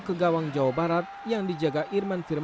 ke gawang jawa barat yang dijaga irman firman